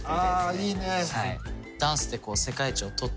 あいいね！